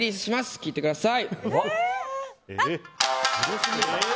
聴いてください。